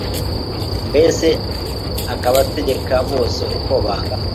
mbese akabategeka bose uko bangana